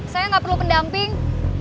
saya nggak perlu pendamping